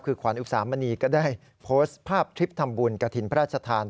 คือขวัญอุตสามณีก็ได้โพสต์ภาพทริปทำบุญกระถิ่นพระราชทาน